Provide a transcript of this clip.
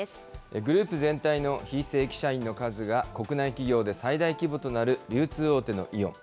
グループ全体の非正規社員の数が、国内企業で最大規模となる流通大手のイオン。